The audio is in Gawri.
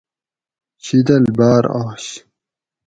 شیدل باۤر آش